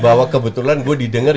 bahwa kebetulan gue didengar